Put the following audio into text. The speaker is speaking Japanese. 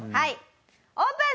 オープン！